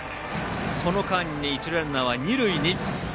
その間に一塁ランナーは二塁に。